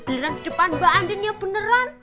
giliran di depan mbak andinnya beneran